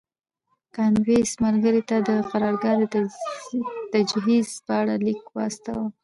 کاندیدوس ملګري ته د قرارګاه د تجهیز په اړه لیک واستاوه